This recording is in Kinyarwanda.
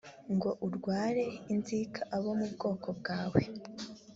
ngo urware inzika abo mu bwoko bwawe